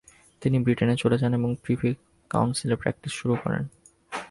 তিনি ব্রিটেনে চলে যান এবং প্রিভি কাউন্সিলে প্র্যাকটিস শুরু করেন।